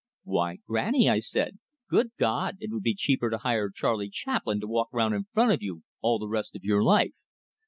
'Why, grannie,' I said, 'good God, it would be cheaper to hire Charlie Chaplin to walk round in front of you all the rest of your life!'